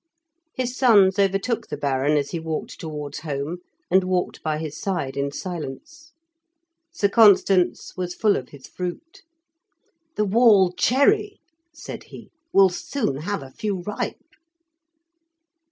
His sons overtook the Baron as he walked towards home, and walked by his side in silence. Sir Constans was full of his fruit. "The wall cherry," said he, "will soon have a few ripe."